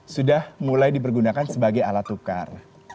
sudah mulai dipergunakan sebagai alat tukar